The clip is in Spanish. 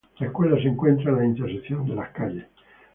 La Escuela se encuentra en la intersección de las calles Av.